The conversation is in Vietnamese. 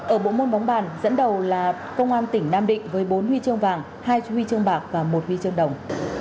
ở bộ môn bóng bàn dẫn đầu là công an tỉnh nam định với bốn huy chương vàng hai huy chương bạc và một huy chương đồng